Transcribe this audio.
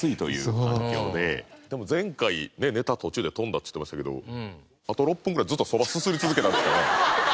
でも前回ネタ途中で飛んだって言ってましたけどあと６分ぐらいずっとそばすすり続けたんですかね？